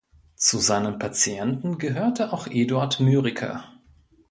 Zu seinen Patienten gehörte auch Eduard Mörike.